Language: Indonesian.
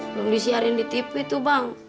belum disiarin di tv itu bang